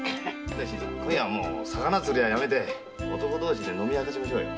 今夜はもう魚釣りはやめて男同士で飲み明かしましょうよ。